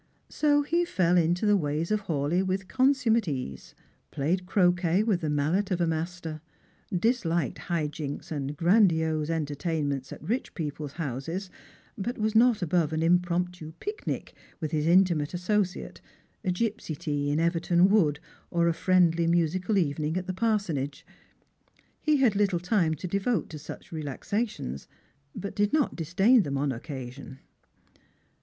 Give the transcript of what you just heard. So he fell into the ways of Hawleigh with con summate ease: played croquet with the mallet of a master; disliked high jinks and grandiose entertainments at rich people's houses, but was not above an impromptu picnic with Jiis intimate associates, a gipsy tea in Everton wood, or a friendly musical evening at the parsonage. He had little time to devote to such relaxations, but did not disdain them on occasion.